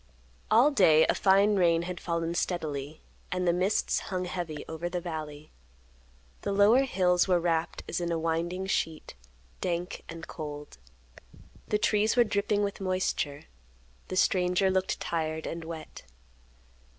All day a fine rain had fallen steadily, and the mists hung heavy over the valley. The lower hills were wrapped as in a winding sheet; dank and cold. The trees were dripping with moisture. The stranger looked tired and wet.